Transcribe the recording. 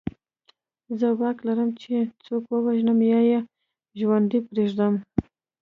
زه واک لرم چې څوک ووژنم یا یې ژوندی پرېږدم